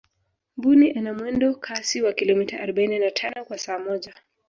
mbuni ana mwendo kasi wa kilomita arobaini na tano kwa saa moja